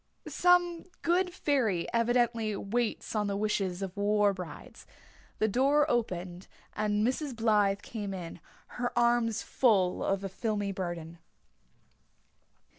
Some good fairy evidently waits on the wishes of war brides. The door opened and Mrs. Blythe came in, her arms full of a filmy burden.